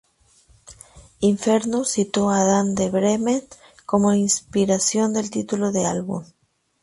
Infernus citó a Adán de Bremen como la inspiración del título del álbum.